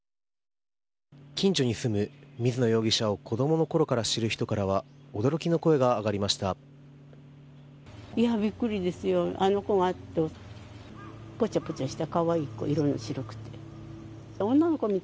近所に住む、水野容疑者を子供のころから知る人からは驚きの声が上がりました。